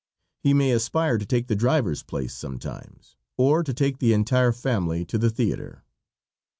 _ He may aspire to take the driver's place sometimes, or to take the entire family to the theater.